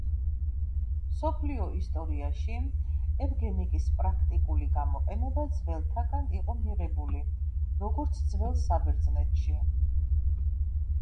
მსოფლიო ისტორიაში ევგენიკის პრაქტიკული გამოყენება ძველთაგან იყო მიღებული, როგორც ძველ საბერძნეთში.